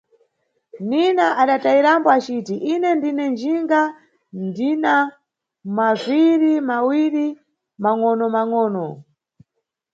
Nina adatayirambo aciti: Ine ndine njinga, ndina maviri mawiri mangʼonomangʼono.